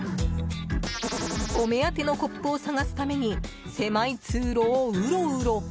お目当てのコップを探すために狭い通路を、うろうろ。